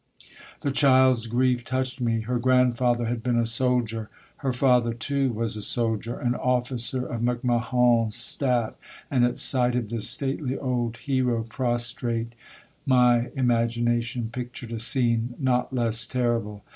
The child's grief touched me. Her grandfather had been a soldier. Her father too was a soldier, an officer of MacMahon's staff; and at sight of this stately old hero prostrate, my imagination pictured a scene not less terrible.